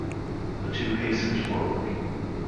The two hastened forward.